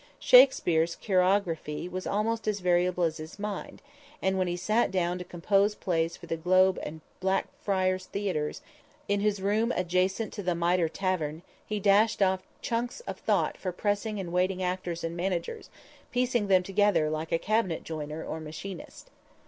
Shakspere's chirography was almost as variable as his mind, and when he sat down to compose plays for the Globe and Blackfriars theatres, in his room adjacent to the Miter Tavern, he dashed off chunks of thought for pressing and waiting actors and managers, piecing them together like a cabinet joiner or machinist.